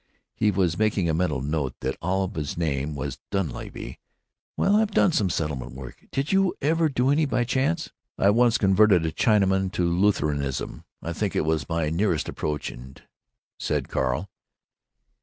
He was making a mental note that Olive's last name was Dunleavy. "Well, I've done some settlement work——Did you ever do any, by any chance?" "I once converted a Chinaman to Lutheranism; I think that was my nearest approach," said Carl.